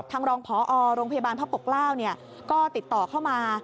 รองพอโรงพยาบาลพระปกเกล้าก็ติดต่อเข้ามา